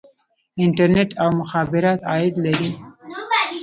انټرنیټ او مخابرات عاید لري